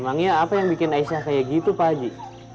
memangnya apa yang bikin aisyah kayak gitu pak haji